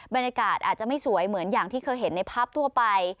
บรรยากาศอาจจะไม่สวยเหมือนอย่างที่เคยเห็นในภาพทั่วไป